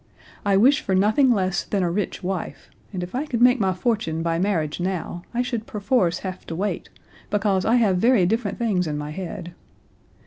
I wish for nothing less than a rich wife, and if I could make my fortune by marriage now I should perforce have to wait, because I have very different things in my head.